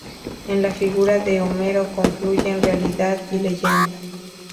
En la figura de Homero confluyen realidad y leyenda.